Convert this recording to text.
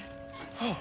はあ。